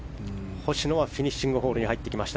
星野はフィニッシングホールに入ってきました。